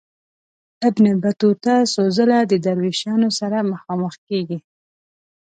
ابن بطوطه څو ځله د دروېشانو سره مخامخ کیږي.